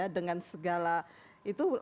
dengan segala itu